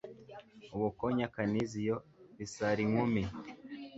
Ubukonya Kaniziyo Bisarinkumi